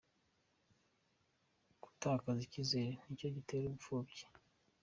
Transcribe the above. Gutakaza icyizere ni cyo gitera ubupfubyi